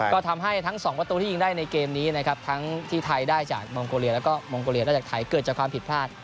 ก็ทำให้ทั้งสองประตูที่ยิงได้ในเกมนี้นะครับทั้งที่ไทยได้จากมองโกเลียแล้วก็มองโกเลียได้จากไทยเกิดจากความผิดพลาด